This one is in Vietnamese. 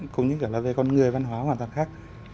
cũng như cả là về con người văn hóa hoàn toàn khác